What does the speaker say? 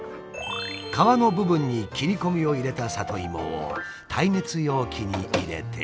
皮の部分に切り込みを入れた里芋を耐熱容器に入れて。